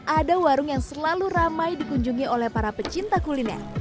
ada warung yang selalu ramai dikunjungi oleh para pecinta kuliner